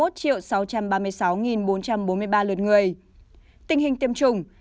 tình hình tiêm chủng